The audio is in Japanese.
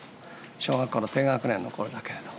小学校の低学年の頃だけれども。